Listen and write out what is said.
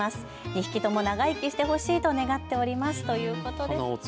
２匹とも長生きしてほしいと願っておりますということです。